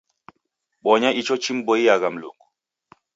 Bonya icho chim'boia Mlungu